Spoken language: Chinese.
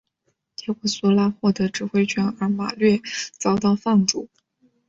结果苏拉获得指挥权而马略遭到放逐。